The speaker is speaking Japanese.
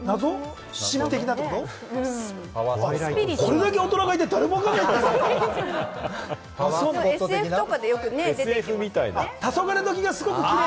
これだけ大人がいて、誰もわからないと。